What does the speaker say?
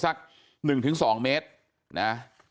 สัก๑๒เมตรนะ